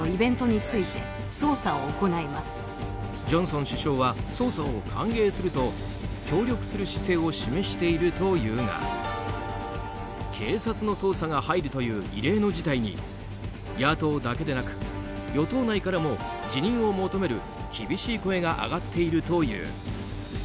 ジョンソン首相は捜査を歓迎すると協力する姿勢を示しているというが警察の捜査が入るという異例の事態に野党だけでなく与党内からも辞任を求める厳しい声が上がっているという。